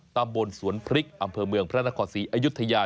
ตำบลสวนพริกอำเภอเมืองพระนครศรีอยุธยา